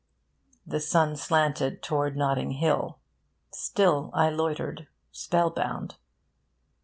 The sun slanted towards Notting Hill. Still I loitered, spellbound...